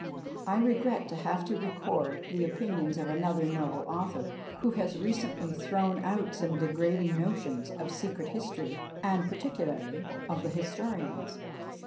I regret to have to record the opinions of another noble author, who recently has thrown out some degrading notions of secret history, and particularly of the historians.